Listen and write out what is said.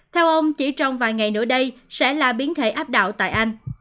theo ông chỉ trong vài ngày nữa đây sẽ là biến thể áp đạo tại anh